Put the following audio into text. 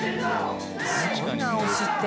すごいな推しって。